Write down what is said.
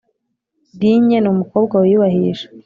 digne ni umukobwa wiyubahisha